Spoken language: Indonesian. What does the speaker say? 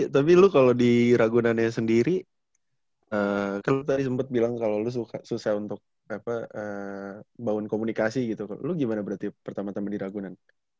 tapi lu kalau di ragunan ya sendiri kan lu tadi sempet bilang kalau lu susah untuk apa bau komunikasi gitu lu gimana berarti pertama tama di ragunan